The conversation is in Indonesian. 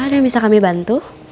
ada yang bisa kami bantu